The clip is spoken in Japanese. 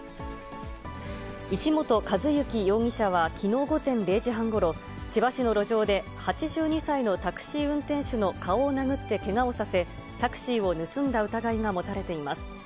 石本和幸容疑者は、きのう午前０時半ごろ、千葉市の路上で、８２歳のタクシー運転手の顔を殴ってけがをさせ、タクシーを盗んだ疑いが持たれています。